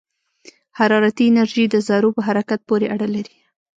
حرارتي انرژي د ذرّو په حرکت پورې اړه لري.